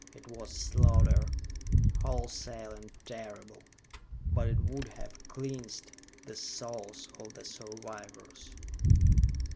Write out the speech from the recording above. It was slaughter, wholesale and terrible, but it would have cleansed the souls of the survivors!"